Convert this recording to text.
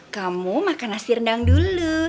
kamu makan nasi rendang dulu